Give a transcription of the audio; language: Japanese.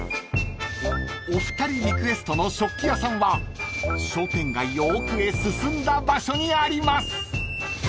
［お二人リクエストの食器屋さんは商店街を奥へ進んだ場所にあります］